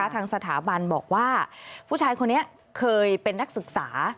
ทางสถาบันบอกว่าผู้ชายคนนี้เคยเป็นนักศึกษา